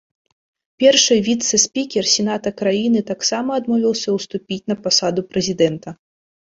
Першы віцэ-спікер сената краіны таксама адмовіўся ўступіць на пасаду прэзідэнта.